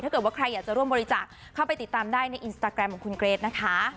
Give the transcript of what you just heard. ถ้าเกิดว่าใครอยากจะร่วมบริจาคเข้าไปติดตามได้ในอินสตาแกรมของคุณเกรทนะคะ